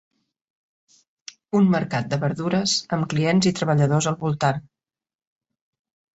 Un mercat de verdures amb clients i treballadors al voltant.